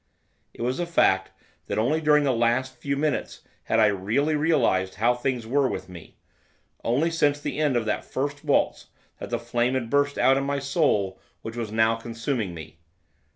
It was a fact that only during the last few minutes had I really realised how things were with me, only since the end of that first waltz that the flame had burst out in my soul which was now consuming me.